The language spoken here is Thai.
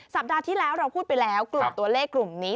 สัปดาห์ที่แล้วเราพูดไปแล้วกลุ่มตัวเลขกลุ่มนี้